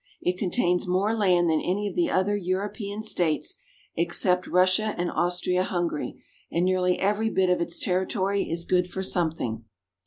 It contains more land than any of the other European states except Russia and Austria Hungary, and nearly every bit of its territory is good for something.